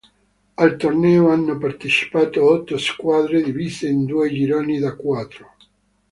Al torneo hanno partecipato otto squadre, divise in due gironi da quattro.